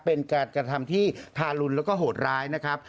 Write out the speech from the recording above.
เป็นการกระทำที่ทารุณแล้วก็โหดร้ายนะครับ